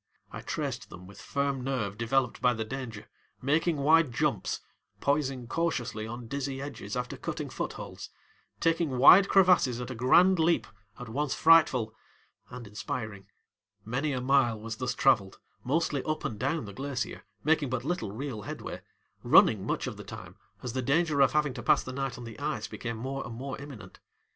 I traced them with firm nerve developed by the danger, making wide jumps, poising cautiously on dizzy edges after cutting footholds, taking wide crevasses at a grand leap at once frightful and inspiring. Many a mile was thus traveled, mostly up and down the glacier, making but little real headway, running much of the time as the danger of having to pass the night on the ice became more and more imminent.